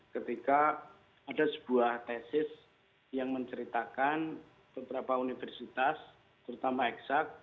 ketika ada sebuah tesis yang menceritakan beberapa universitas terutama eksak